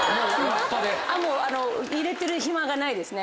入れてる暇がないですね。